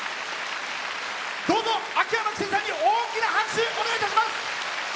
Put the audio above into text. どうぞ秋山気清さんに大きな拍手、お願いいたします。